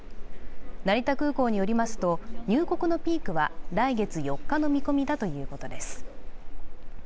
成田空港によりますと、入国のピークは来月４日の見込みだということです。